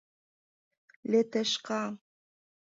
Летешка!